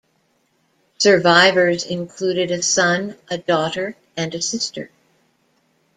Survivors included a son, a daughter and a sister.